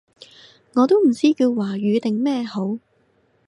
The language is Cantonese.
我都唔知叫華語定咩好